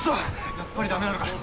やっぱり駄目なのかよ」。